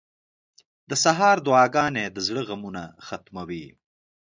• د سهار دعاګانې د زړه غمونه ختموي.